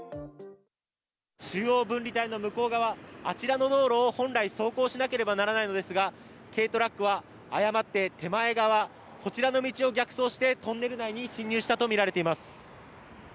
中央分離帯の向こう側、あちらの道路を本来走行しなければならないのですが、軽トラックは誤って手前側、こちらの道を逆走してトンネル内に進入したと見られています。